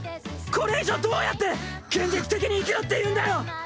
これ以上どうやって現実的に生きろっていうんだよ！